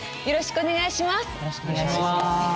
よろしくお願いします。